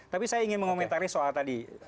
tapi saya ingin mengomentari soal tadi